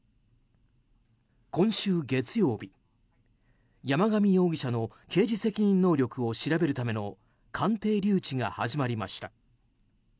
今週月曜日、山上容疑者の刑事責任能力を調べるための鑑定留置が始まりました。